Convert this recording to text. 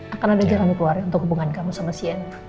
akan ada jalan keluarga untuk hubungan kamu sama sienna